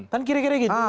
kan kira kira gitu